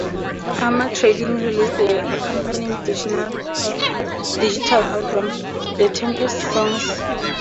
Armatrading released an accompanying digital album, "The Tempest Songs".